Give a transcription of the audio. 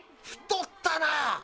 太ったな！